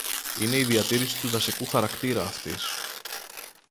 είναι η διατήρηση του δασικού χαρακτήρα αυτής